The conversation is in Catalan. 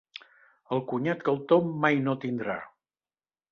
El cunyat que el Tom mai no tindrà.